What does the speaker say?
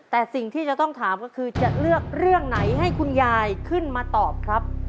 แต่สิ่งที่จะต้องถามก็คือจะเลือกเรื่องไหนให้คุณยายขึ้นมาตอบครับ